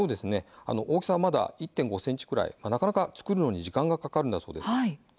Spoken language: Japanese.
大きさはまだ１．５ｃｍくらいで作るのに時間がかかるそうです。